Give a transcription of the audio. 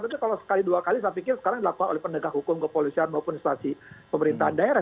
tapi kalau sekali dua kali saya pikir sekarang dilakukan oleh pendegah hukum ke polisian maupun stasi pemerintahan daerah